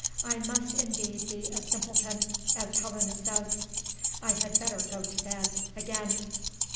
I must indeed be a simpleton, as Helena says. I had better go to bed again.